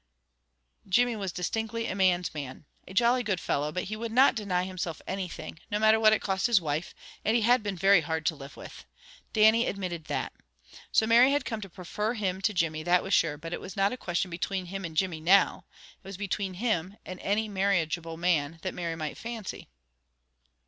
Jimmy was distinctly a man's man. A jolly good fellow, but he would not deny himself anything, no matter what it cost his wife, and he had been very hard to live with. Dannie admitted that. So Mary had come to prefer him to Jimmy, that was sure; but it was not a question between him and Jimmy, now. It was between him, and any marriageable man that Mary might fancy.